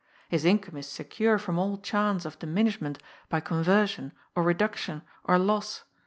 His income is secure from all chance of diminishment by conversion or reduction or loss.